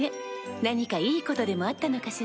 何かいいことでもあったのかしら？